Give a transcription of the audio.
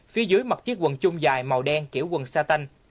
phía dưới mặt chiếc quần chung dài màu đen kiểu quần satanh